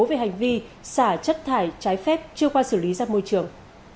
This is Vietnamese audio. về hành vi xả chất thải trái phép chưa qua xử lý ra môi trường